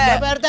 siap pak rt